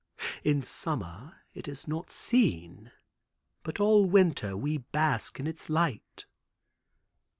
In summer it is not seen, but all winter we bask in its light."